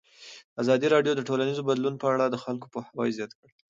ازادي راډیو د ټولنیز بدلون په اړه د خلکو پوهاوی زیات کړی.